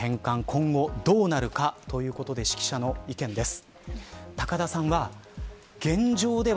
今後どうなるかということで識者の意見です。